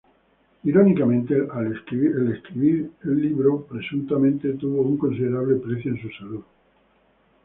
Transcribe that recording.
Irónicamente, el escribir el libro presuntamente tuvo un considerable precio en su salud.